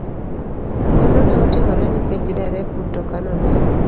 Mano ne otimore nikech derep mtokano ne